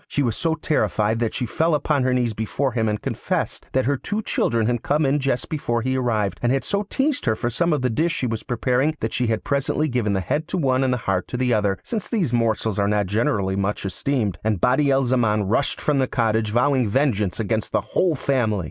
She was so terrified that she fell upon her knees before him and confessed that her two children had come in just before he arrived, and had so teased her for some of the dish she was preparing that she had presently given the head to one and the heart to the other, since these morsels are not generally much esteemed; and Badi al Zaman rushed from the cottage vowing vengeance against the whole family.